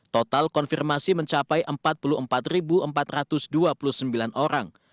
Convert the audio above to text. total konfirmasi mencapai empat puluh empat empat ratus dua puluh sembilan orang